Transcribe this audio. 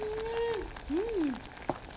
うん。